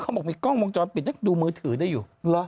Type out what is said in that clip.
บอกมีกล้องวงจรปิดดูมือถือได้อยู่